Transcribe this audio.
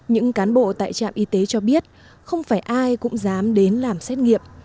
những cán bộ tại trạm y tế cho biết không phải ai cũng dám đến làm xét nghiệm